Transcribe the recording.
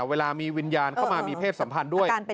เวลามีวิญญาณเข้ามามีเพศสัมพันธ์ด้วย